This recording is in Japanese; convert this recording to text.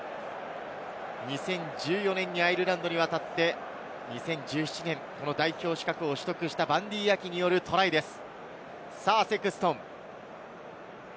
２０１４年にアイルランドに渡って、２０１７年、代表資格を取得したバンディー・アキによるトライです。